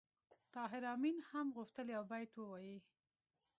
طاهر آمین هم غوښتل یو بیت ووایي